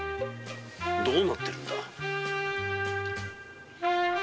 どうなっているんだ？